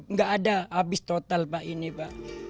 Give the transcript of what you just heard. nggak ada habis total pak ini pak